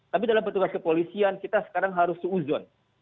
tapi dalam pertugas kepolisian kita sekarang harus sehuzon